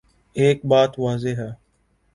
ایک بات واضح ہے۔